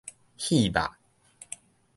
戲肉